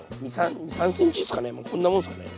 ２３ｃｍですかねこんなもんですかね。